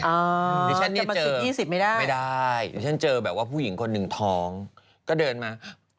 เดี๋ยวฉันเนี่ยเจอ๒๐ไม่ได้ไม่ได้ดิฉันเจอแบบว่าผู้หญิงคนหนึ่งท้องก็เดินมา